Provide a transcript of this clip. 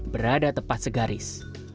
berada tepat segaris